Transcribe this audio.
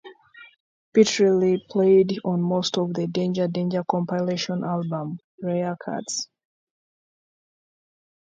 Pitrelli played on most of the Danger Danger compilation album "Rare Cuts".